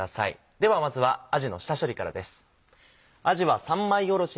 ではまずはあじの下処理からです。